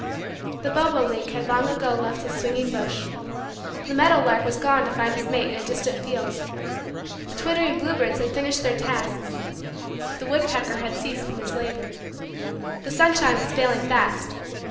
The bobo link had long ago left his swinging bush. The meadow lark had gone to find his mate in a distant field. The twittering bluebirds had finished their tasks. The woodpecker had ceased from his labor. The sunshine was failing fast.